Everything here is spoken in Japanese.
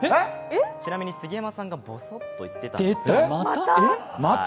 ちなみに杉山さんが、ぼそっと言ってました。